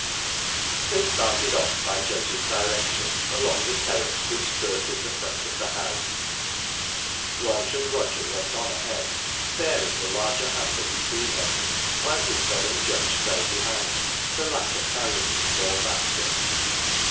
They started off, by Judge's direction, along the terrace which skirted the front of the house. Blanche and Roger went on ahead, bearing the larger hamper between them, while Isbel and Judge fell behind, the latter carrying the small basket.